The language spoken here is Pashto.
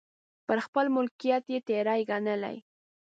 پر خپل ملکیت یې تېری ګڼلی.